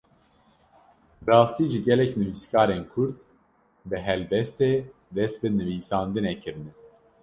Bi rastî jî gelek nivîskarên Kurd bi helbestê dest bi nivîsandinê kirine.